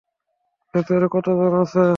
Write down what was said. ভেতরে কতজন আছে?